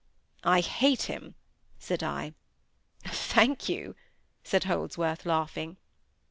"I hate him," said I. "Thank you," said Holdsworth, laughing.